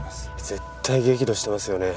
絶対激怒してますよね。